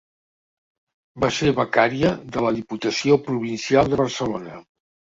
Va ser becària de la Diputació Provincial de Barcelona.